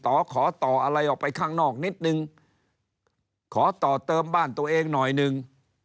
ขอต่ออะไรออกไปข้างนอกนิดนึงขอต่อเติมบ้านตัวเองหน่อยหนึ่ง